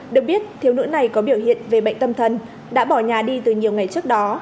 được biết thiếu nữ này có biểu hiện về bệnh tâm thần đã bỏ nhà đi từ nhiều ngày trước đó